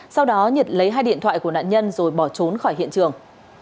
sau đó nhật lấy hai điện thoại của nạn nhân rồi bỏ trốn khỏi hiện trường